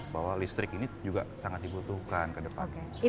bahwa listrik ini juga sangat dibutuhkan ke depannya